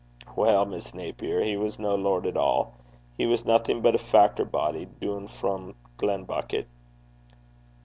'Well, Miss Naper, he was no lord at all. He was nothing but a factor body doon frae Glenbucket.'